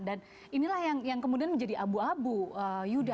dan inilah yang kemudian menjadi abu abu yuda